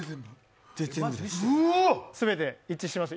全て一致してますね。